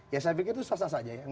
ya saya pikir itu sasar saja